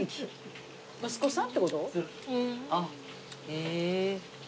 へえ。